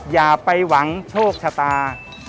อย่าไปหวังโชคชะตา